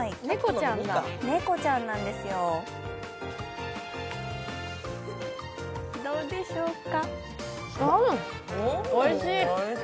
猫ちゃんなんですよ、どうでしょうか？